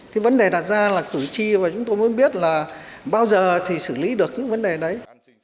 thì vấn đề đặt ra là cử tri và chúng tôi mới biết là bao giờ thì xử lý được cái vấn đề đấy